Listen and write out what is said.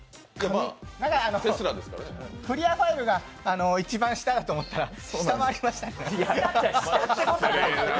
まだ、クリアファイルが一番下だと思ったら下回りましたね。